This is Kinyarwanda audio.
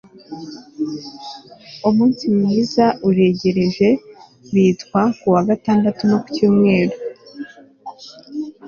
umunsi mwiza uregereje bitwa ku wa gatandatu no ku cyumweru